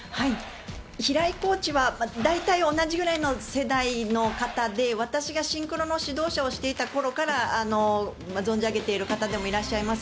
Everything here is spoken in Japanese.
平井コーチは大体同じぐらいの世代の方で私がシンクロの指導者をしていた頃から存じ上げている方でもいらっしゃいます。